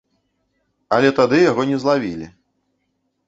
Але тады яго не злавілі.